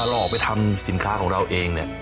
หลอกไปทำสินค้าของเราเองเนี่ย